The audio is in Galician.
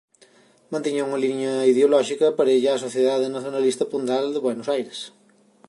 Mantiña unha liña ideolóxica parella á Sociedade Nazonalista Pondal de Buenos Aires.